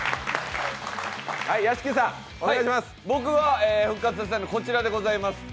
僕が復活したいのはこちらでございます。